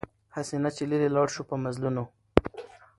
هسي نه چي لیري ولاړ سو په مزلونو